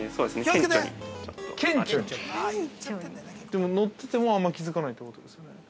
でも、乗っててもあんま気づかないということですよね。